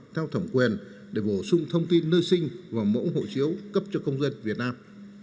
theo thẩm quyền để bổ sung thông tin nơi sinh và mẫu hộ chiếu cấp cho công dân việt nam